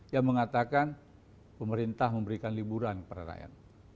yang mengatakan pemerintah memberikan liburan kepada rakyat